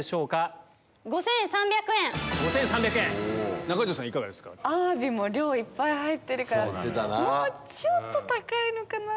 アワビもいっぱい入ってるからもうちょっと高いのかな。